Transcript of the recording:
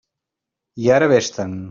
I ara vés-te'n.